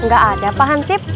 gak ada pak hantip